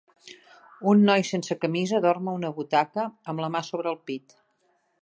Un noi sense camisa dorm a una butaca amb la mà sobre el pit